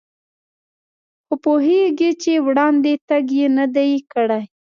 خو پوهېږي چې وړاندې تګ یې نه دی کړی.